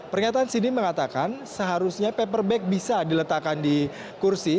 pernyataan sini mengatakan seharusnya paper bag bisa diletakkan di kursi